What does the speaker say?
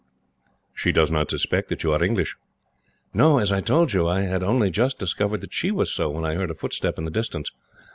"She does not suspect that you are English?" "No. As I told you, I had only just discovered that she was so, when I heard a footstep in the distance.